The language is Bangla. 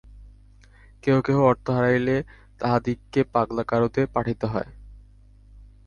কেহ কেহ অর্থ হারাইলে তাহাদিগকে পাগলা-গারদে পাঠাইতে হয়।